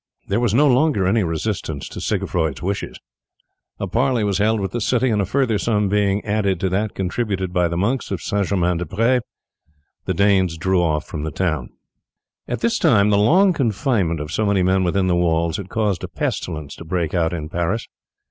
There was no longer any resistance to Siegfroi's wishes. A parley was held with the city, and a further sum being added to that contributed by the monks of St. Germain des Pres the Danes drew off from the town. At this time the long confinement of so many men within the walls had caused a pestilence to break out in Paris.